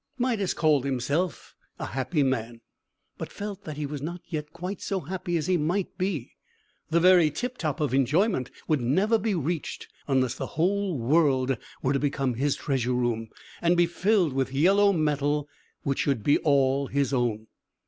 Midas called himself a happy man, but felt that he was not yet quite so happy as he might be. The very tiptop of enjoyment would never be reached, unless the whole world were to become his treasure room, and be filled with yellow metal which should be all his own.